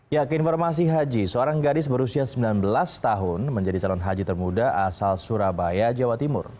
ya keinformasi haji seorang gadis berusia sembilan belas tahun menjadi calon haji termuda asal surabaya jawa timur